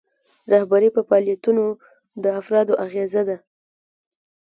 رهبري په فعالیتونو د افرادو اغیزه ده.